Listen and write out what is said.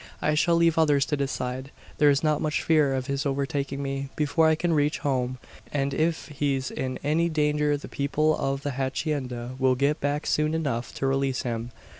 I shall leave others to decide. There's not much fear of his overtaking me, before I can reach home; and if he's in any danger the people of the hacienda will get back soon enough to release him.